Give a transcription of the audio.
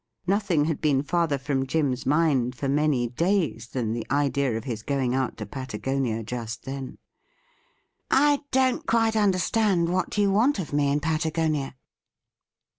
'' Nothing had been farther from Jim's mind for many days than the idea of his going out to Patagonia just then, ' I don't quite understand what you want of me in Patagonia.'